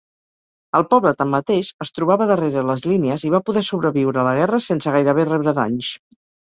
El poble, tanmateix, es trobava darrere les línies i va poder sobreviure a la guerra sense gairebé rebre danys.